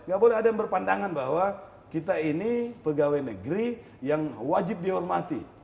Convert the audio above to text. gak boleh ada yang berpandangan bahwa kita ini pegawai negeri yang wajib dihormati